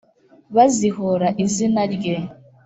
Bazihora izina rye